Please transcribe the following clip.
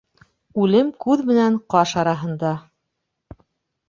Үлем күҙ менән ҡаш араһында.